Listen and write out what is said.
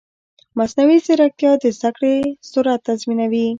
مصنوعي ځیرکتیا د زده کړې سرعت تنظیموي.